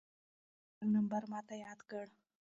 هغې خپل نمبر ماته یاد کړ.